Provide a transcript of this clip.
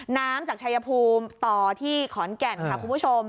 น้ำจากชายภูมิต่อที่ขอนแก่นค่ะคุณผู้ชม